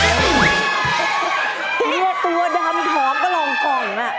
ตัวดำถอมกระลองกล่องน่ะ